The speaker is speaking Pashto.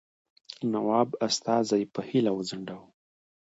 نواب استازی په هیله وځنډاوه.